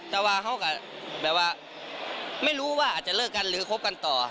แต่ว่าเขาก็แบบว่าไม่รู้ว่าอาจจะเลิกกันหรือคบกันต่อ